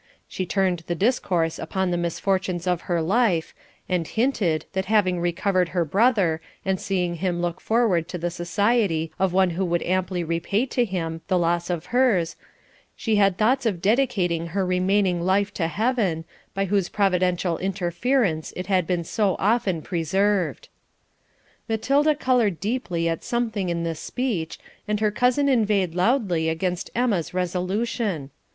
She turned the discourse upon the misfortunes of her life, and hinted, that having recovered her brother, and seeing him look forward to the society of one who would amply repay to him the loss of hers, she had thoughts of dedicating her remaining life to Heaven, by whose providential interference it had been so often preserved. Matilda coloured deeply at something in this speech, and her cousin inveighed loudly against Emma's resolution.